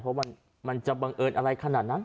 เพราะมันจะบังเอิญอะไรขนาดนั้น